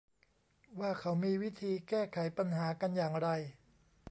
ว่าเขามีวิธีแก้ไขปัญหากันอย่างไร